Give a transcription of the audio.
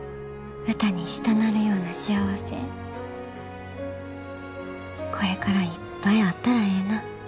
歌にしたなるような幸せこれからいっぱいあったらええな。